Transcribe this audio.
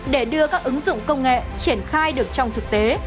để đưa các ứng dụng công nghệ triển khai được trong thực tế